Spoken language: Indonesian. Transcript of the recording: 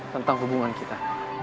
tentang hubungan kita